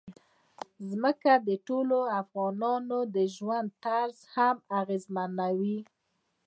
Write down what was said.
ځمکه د ټولو افغانانو د ژوند طرز هم اغېزمنوي.